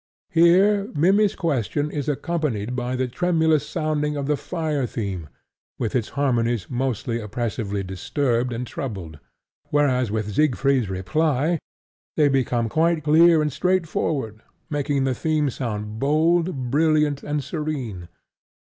Here Mimmy's question is accompanied by the tremulous sounding of the fire theme with its harmonies most oppressively disturbed and troubled; whereas with Siegfried's reply they become quite clear and straightforward, making the theme sound bold, brilliant, and serene.